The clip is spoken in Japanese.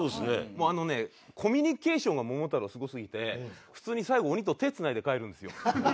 もうあのねコミュニケーションが桃太郎すごすぎて普通に最後鬼と手を繋いで帰るんですよ。